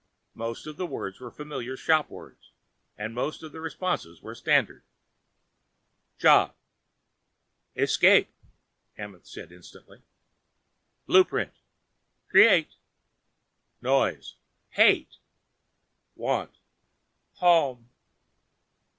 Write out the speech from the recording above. Most of the words were familiar shop words and most of the responses were standard. "Job." "Escape," Amenth said instantly. "Blueprint." "Create." "Noise." "Hate." "Want." "Home!"